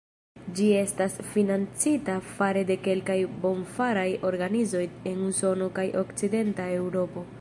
Ĝi estas financita fare de kelkaj bonfaraj organizoj en Usono kaj Okcidenta Eŭropo.